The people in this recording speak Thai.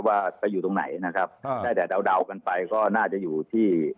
ว่าไปอยู่ตรงไหนนะครับได้แต่เดากันไปก็น่าจะอยู่ที่